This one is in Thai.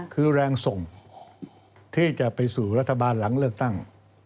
คือแรงส่งที่จะไปสู่รัฐบาลหลังเลือกตั้ง